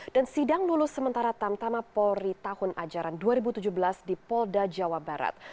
dan sidang lulus sementara tamtama polri tahun ajaran dua ribu tujuh belas di polda jawa barat